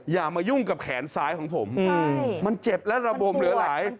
อย่ามายุ่งกับแขนซ้ายของผมมันเจ็บและระบมเหลือหลาย